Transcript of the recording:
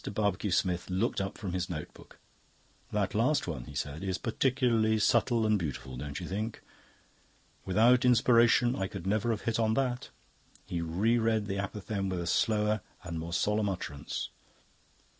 Barbecue Smith looked up from his notebook. "That last one," he said, "is particularly subtle and beautiful, don't you think? Without Inspiration I could never have hit on that." He re read the apophthegm with a slower and more solemn utterance.